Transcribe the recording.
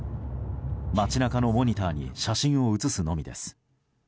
街中のモニターに写真を映すのみです。